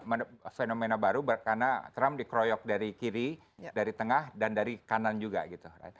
ada fenomena baru karena trump dikroyok dari kiri dari tengah dan dari kanan juga gitu